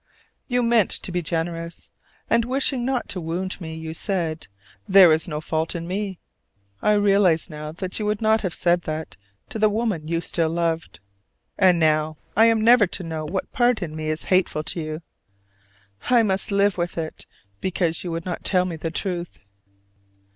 You meant to be generous; and wishing not to wound me, you said that "there was no fault" in me. I realize now that you would not have said that to the woman you still loved. And now I am never to know what part in me is hateful to you. I must live with it because you would not tell me the truth!